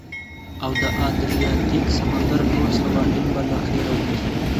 او د ادریاتیک سمندر ټول سواحل به له خیره، ونیسو.